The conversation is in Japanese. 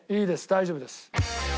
大丈夫です。